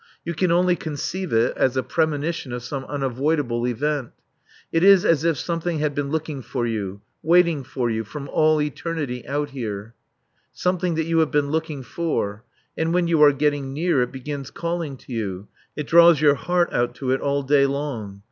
You can only conceive it as a premonition of some unavoidable event. It is as if something had been looking for you, waiting for you, from all eternity out here; something that you have been looking for; and, when you are getting near, it begins calling to you; it draws your heart out to it all day long.